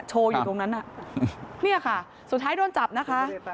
อยู่ตรงนั้นน่ะเนี่ยค่ะสุดท้ายโดนจับนะคะ